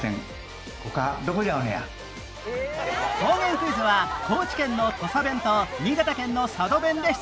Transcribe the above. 方言クイズは高知県の土佐弁と新潟県の佐渡弁で出題。